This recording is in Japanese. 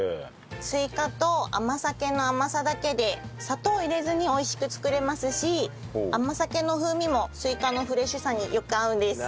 スイカと甘酒の甘さだけで砂糖を入れずに美味しく作れますし甘酒の風味もスイカのフレッシュさによく合うんです。